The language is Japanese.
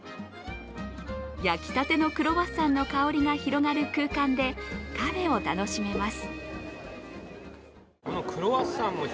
焼きたてのクロワッサンの香りが広がる空間でカフェを楽しめます。